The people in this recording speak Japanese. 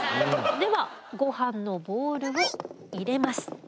ではごはんのボールを入れます。